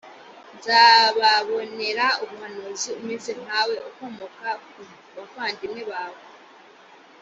nzababonera umuhanuzi umeze nkawe, ukomoka mu bavandimwe babo;